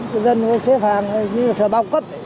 các dân xếp hàng như là thờ bao cấp